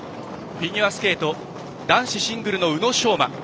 フィギュアスケート男子シングルの宇野昌磨。